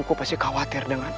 ibuku pasti khawatir denganku